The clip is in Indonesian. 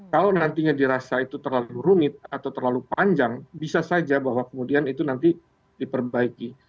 kalau nantinya dirasa itu terlalu rumit atau terlalu panjang bisa saja bahwa kemudian itu nanti diperbaiki